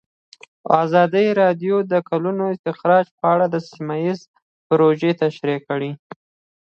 ازادي راډیو د د کانونو استخراج په اړه سیمه ییزې پروژې تشریح کړې.